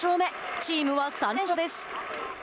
チームは３連勝です。